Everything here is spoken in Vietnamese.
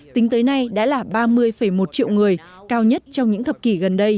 tính tới năm bốn triệu người